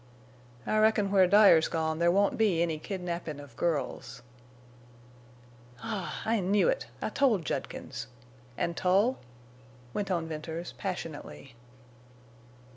"I reckon where Dyer's gone there won't be any kidnappin' of girls." "Ah! I knew it. I told Judkins—And Tull?" went on Venters, passionately.